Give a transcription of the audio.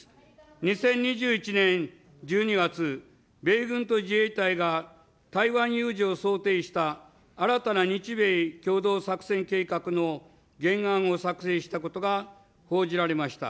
２０２１年１２月、米軍と自衛隊が、台湾有事を想定した、新たな日米共同作戦計画の原案を作成したことが報じられました。